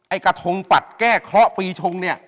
กระทงปัดแก้เคราะห์ปีชงเนี่ย